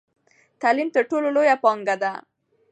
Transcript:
تعلیم تر ټولو لویه پانګه ده.